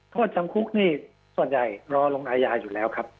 โทษจำคุกนี่ส่วนใหญ่รอลงอาญาอยู่แล้วครับ